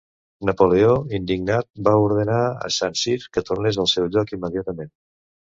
Napoleó, indignat, va ordenar a Saint-Cyr que tornés al seu lloc immediatament.